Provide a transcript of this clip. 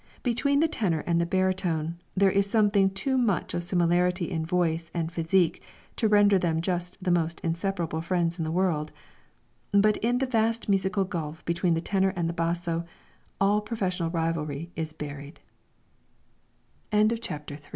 Between the tenor and the baritone, there is a something too much of similarity in voice and physique to render them just the most inseparable friends in the world; but in the vast musical gulf between the tenor and the basso, all professional rivalr